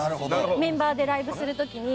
メンバーでライブする時に。